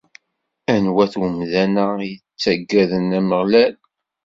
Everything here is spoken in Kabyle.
Anwa-t umdan-a i yettaggaden Ameɣlal?